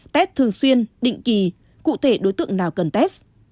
test thường xuyên định kỳ cụ thể đối tượng nào cần test